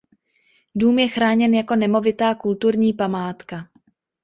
Dům je chráněn jako nemovitá kulturní památka.